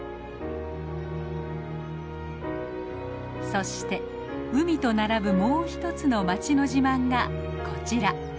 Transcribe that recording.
そして海と並ぶもう一つの町の自慢がこちら。